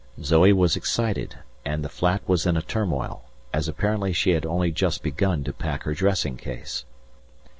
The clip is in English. Zoe was excited and the flat was in a turmoil, as apparently she had only just begun to pack her dressing case.